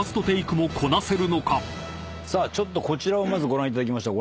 ちょっとこちらをまずご覧いただきましょう。